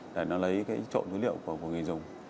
để nó lấy cái trộn dữ liệu của người dùng